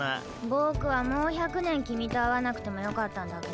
僕はもう１００年君と会わなくてもよかったんだけど。